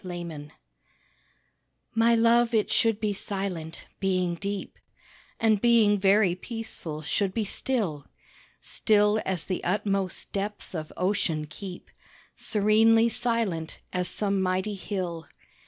A LOVE SONG My love it should be silent, being deep And being very peaceful should be still Still as the utmost depths of ocean keep Serenely silent as some mighty hill.